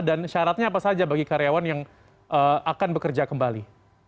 dan syaratnya apa saja bagi karyawan yang akan bekerja kembali